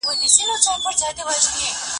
د ارغوانو یوه څانګه،